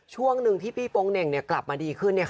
ช่วงหนึ่งที่พี่โป๊งเหน่งกลับมาดีขึ้น